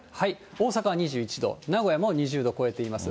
大阪は２１度、名古屋も２０度超えています。